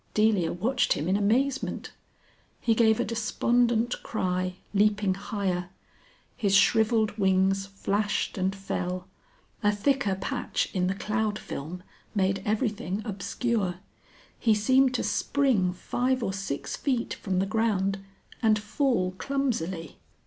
Delia watched him in amazement. He gave a despondent cry, leaping higher. His shrivelled wings flashed and fell. A thicker patch in the cloud film made everything obscure. He seemed to spring five or six feet from the ground and fall clumsily.